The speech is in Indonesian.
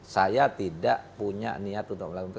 saya tidak punya niat untuk melakukan